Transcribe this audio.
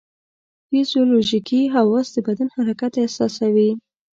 فزیولوژیکي حواس د بدن حرکت احساسوي.